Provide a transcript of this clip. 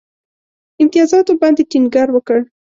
امتیازاتو باندي ټینګار وکړ.